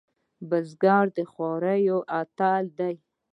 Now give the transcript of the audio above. بزګر د خوارۍ اتل دی